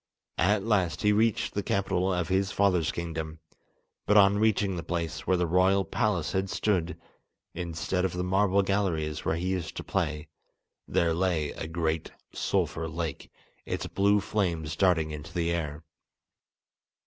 At last he reached the capital of his father's kingdom, but on reaching the place where the royal palace had stood, instead of the marble galleries where he used to play, there lay a great sulphur lake, its blue flames darting into the air.